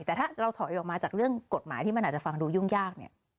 แต่ถ้าเราถอยออกมาจากเรื่องกฎหมายที่มันอาจจะฟังดูยุ่งยากเนี่ย